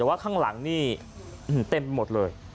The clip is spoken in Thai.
แต่ว่าข้างหลังนี่เต็มหมดเลย